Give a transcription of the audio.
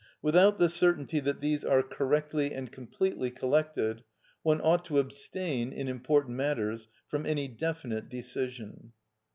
Without the certainty that these are correctly and completely collected, one ought to abstain, in important matters, from any definite decision.